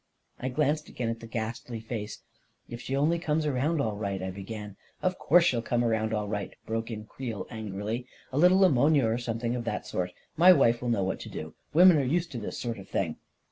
I glanced again at the ghastly face. 44 If she only comes around all right," I began. 44 Of course she'll come around all right," broke in Creel angrily. 44 A little ammonia, or something of that sort. My wife will know what to do— » women are used to this sort of thing."